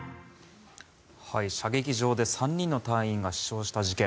射撃場で３人の隊員が死傷した事件。